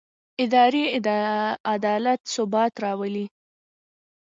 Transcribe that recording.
اداري عدالت ثبات راولي